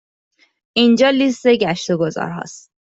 اینجا لیست گشت و گذار ها است.